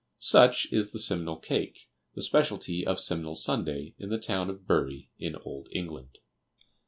Such is the Simnel cake, the specialty of Simnel Sunday, in the town of Bury, in Old England.